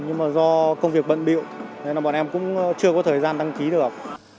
nhưng mà do công việc bận biệu nên là bọn em cũng chưa có thời gian đăng ký được